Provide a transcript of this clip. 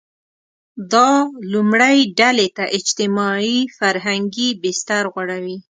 دا لومړۍ ډلې ته اجتماعي – فرهنګي بستر غوړوي.